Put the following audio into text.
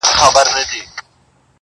کلونه کېږي د بلا په نامه شپه ختلې!!